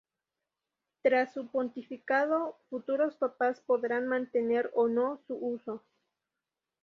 Tras su Pontificado, futuros Papas podrán mantener o no su uso.